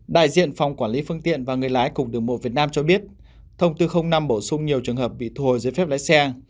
đại diện phòng quản lý phương tiện và người lái cùng đường bộ việt nam cho biết thông tư năm bổ sung nhiều trường hợp bị thu hồi giấy phép lái xe